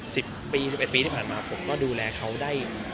สิบปีสิบเอ็ดปีที่ผ่านมาผมก็ดูแลเขาได้